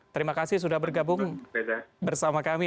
terima kasih sudah bergabung bersama kami